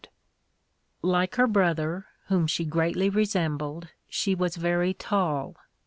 Like her brother, whom she greatly resembled, she was very tall.